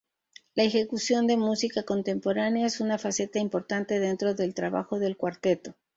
La ejecución de música contemporánea es una faceta importante dentro del trabajo del cuarteto.